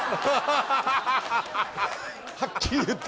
はっきり言った！